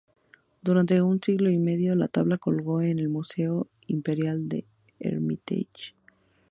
Durante un siglo y medio, la tabla colgó en el Museo Imperial del Hermitage.